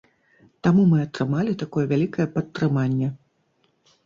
Таму мы атрымалі такое вялікае падтрыманне.